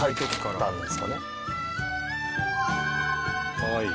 かわいい。